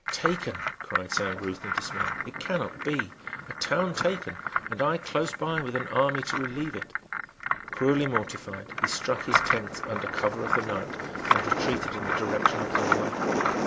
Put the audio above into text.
"Taken!" cried Saint Ruth, in dismay. "It cannot be. A town taken, and I close by with an army to relieve it!" Cruelly mortified, he struck his tents under cover of the night, and retreated in the direction of Galway.